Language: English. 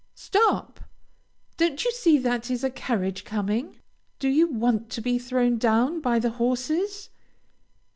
Stop! don't you see there is a carriage coming? Do you want to be thrown down by the horses?